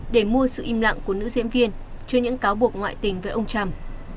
để mua sự im lặng của nữ diễn viên cho những cáo buộc ngoại tình với ông trump